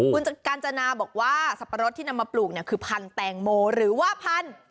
คุณกาญจนาบอกว่าสับปะรดที่นำมาปลูกเนี่ยคือพันธุ์แตงโมหรือว่าพันธุ์